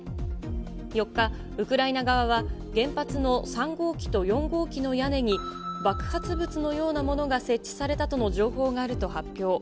４日、ウクライナ側は原発の３号機と４号機の屋根に、爆発物のようなものが設置されたとの情報があると発表。